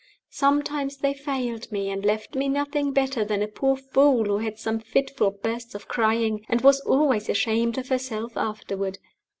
Sometimes they failed me, and left me nothing better than a poor fool who had some fitful bursts of crying, and was always ashamed of herself afterward.